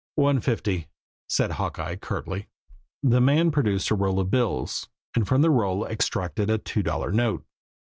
"One fifty," said Hawkeye curtly. The man produced a roll of bills, and from the roll extracted a two dollar note.